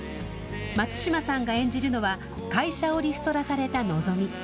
松嶋さんが演じるのは会社をリストラされた、のぞみ。